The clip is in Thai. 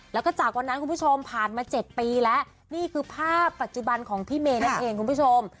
แล้วก็จากวันนั้นคุณผู้ชมผ่านมา๗ปีแล้วนี่คือภาพปัจจุบันของพี่เมย์นั่นเองคุณผู้ชม